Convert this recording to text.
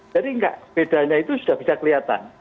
jadi enggak bedanya itu sudah bisa kelihatan